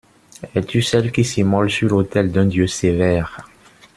Es-tu celle qui s'immole sur l'autel d'un dieu sévère?